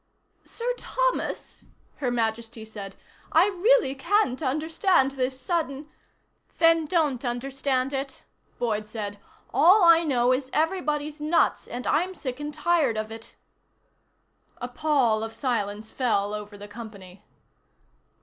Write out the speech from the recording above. "Sir Thomas," Her Majesty said, "I really can't understand this sudden " "Then don't understand it," Boyd said. "All I know is everybody's nuts, and I'm sick and tired of it." A pall of silence fell over the company.